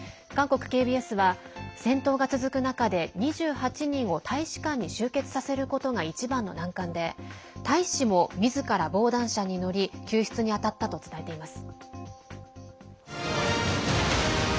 韓国ＫＢＳは、戦闘が続く中で２８人を大使館に集結させることが一番の難関で大使もみずから防弾車に乗り救出に当たったと伝えています。